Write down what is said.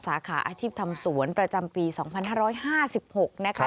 สาขาอาชีพทำสวนประจำปี๒๕๕๖นะคะ